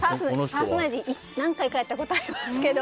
パーソナリティー何回かやったことありますけど。